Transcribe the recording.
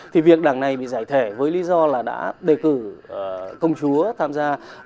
thì việc đảng này bị giải thể với lý do là đã đề cử công chúa tham gia